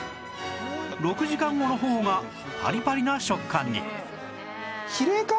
６時間後の方がパリパリな食感に